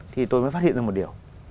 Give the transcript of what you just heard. thì tôi mới phát hiện ra một điều